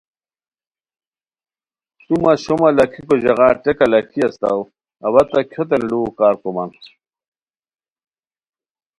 تو مہ شوما لاکھیکو ژاغا ٹیکہ لاکھی اسیتاؤ، اوا تہ کھیوتین لوؤ کارکومان ریتائے